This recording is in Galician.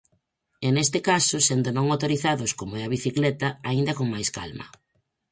E neste caso, sendo non motorizados como é a bicicleta, aínda con máis calma.